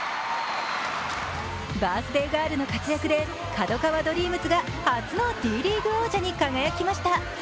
バースデーガールの活躍でＫＡＤＯＫＡＷＡＤＲＥＡＭＳが初のＤリーグ王者に輝きました。